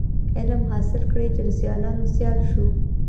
علم حاصل کړی چي د سیالانو سیال سو.